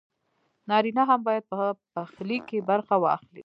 نارينه هم بايد په پخلي کښې برخه واخلي